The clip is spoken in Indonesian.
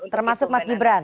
termasuk mas gibran